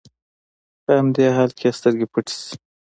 په همدې حال کې يې سترګې پټې شي.